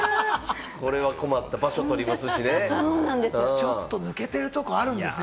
これは困った、場所取りますちょっと抜けてるとこ実はあるんですね。